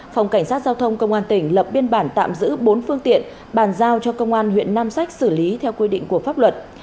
phòng cảnh sát giao thông công an tỉnh lập biên bản tạm giữ bốn phương tiện bàn giao cho công an huyện nam sách xử lý theo quy định của pháp luật